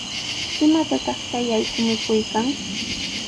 ¿Imatataq chay allqu mikuykan?